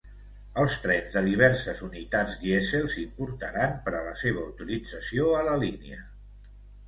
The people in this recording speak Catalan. Els trens de diverses unitats dièsel s'importaran per a la seva utilització a la línia.